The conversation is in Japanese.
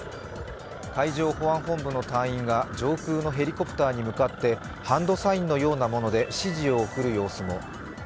海上保安本部の隊員が上空のヘリコプターに向かってハンドサインのようなもので指示を送る様子も。